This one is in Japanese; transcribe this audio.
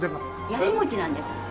焼き餅なんです。